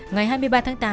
ngày hai mươi ba tháng tám